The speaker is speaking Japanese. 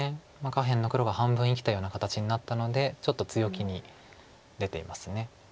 下辺の黒が半分生きたような形になったのでちょっと強気に出ています。